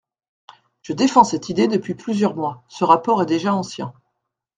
Je défends cette idée depuis plusieurs mois : ce rapport est déjà ancien.